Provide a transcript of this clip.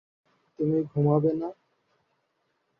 তুমি ঘুমোবে না?